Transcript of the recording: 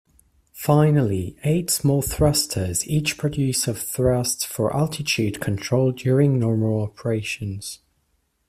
Finally, eight small thrusters each produce of thrust for attitude control during normal operations.